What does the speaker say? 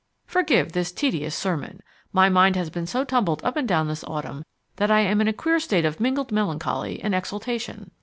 Forgive this tedious sermon! My mind has been so tumbled up and down this autumn that I am in a queer state of mingled melancholy and exaltation.